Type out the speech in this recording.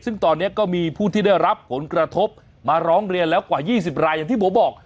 ซึ่งตอนนี้ก็มีผู้ที่ได้รับผลกระทบมาร้องเรียนแล้วกว่า๒๐รายอย่างที่ผมบอก